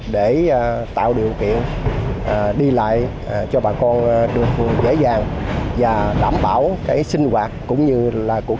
để tạo điều kiện đi lại cho bà con được dễ dàng và đảm bảo sinh hoạt